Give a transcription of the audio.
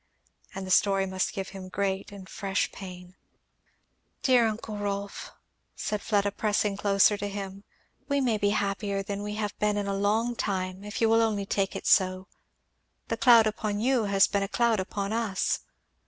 And the story must give him great and fresh pain "Dear uncle Rolf!" said Fleda pressing closer to him, "we may be happier than we have been in a long time, if you will only take it so. The cloud upon you has been a cloud upon us."